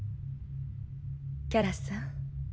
キャラさん。